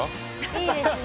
「いいですね」